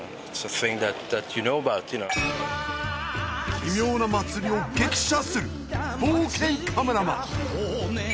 奇妙な祭りを激写する冒険カメラマン！